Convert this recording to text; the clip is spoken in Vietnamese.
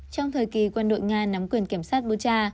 trong thời kỳ quân đội nga nắm quyền kiểm soát boltcha